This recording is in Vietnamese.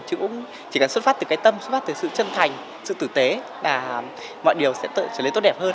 chỉ cần xuất phát từ cái tâm xuất phát từ sự chân thành sự tử tế là mọi điều sẽ trở nên tốt đẹp hơn